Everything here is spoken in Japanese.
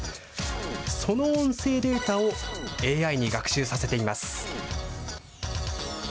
その音声データをＡＩに学習させています。